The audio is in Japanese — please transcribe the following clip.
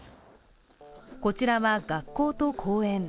こちらは学校と公園。